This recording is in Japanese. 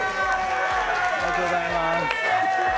ありがとうございます。